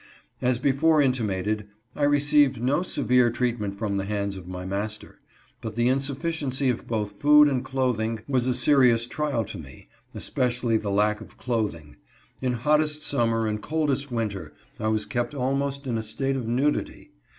As before intimated, I received no severe treatment from the hands of my master, but the insufficiency of both food and clothing was a serious trial to me, espec ially the lack of clothing. In hottest summer and t coldest winter I was kept almost in a state of nudity.